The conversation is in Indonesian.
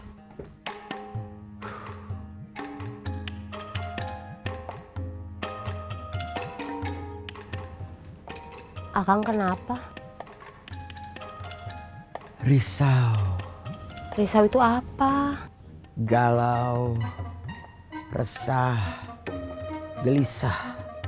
hai akang kenapa risau risau itu apa galau resah gelisah